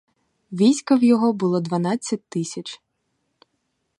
Війська в його було дванадцять тисяч.